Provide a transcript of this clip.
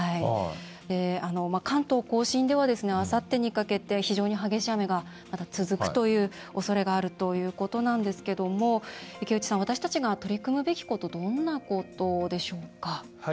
関東・甲信ではあさってにかけて非常に激しい雨が続くというおそれがあるということですが池内さん、私たちが取り組むべきことどんなことでしょうか？